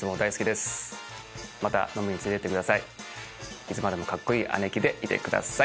いつまでもカッコイイ姉貴でいてください。